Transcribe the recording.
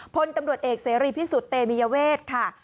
พลตำรวจเอกเสรีพิสุทธิ์เตมียเวทค่ะ